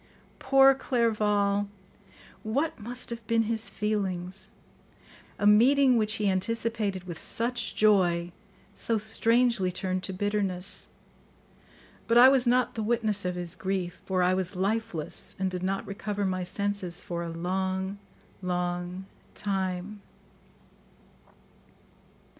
Poor Clerval! What must have been his feelings? A meeting, which he anticipated with such joy, so strangely turned to bitterness. But I was not the witness of his grief, for I was lifeless and did not recover my senses for a long, long time.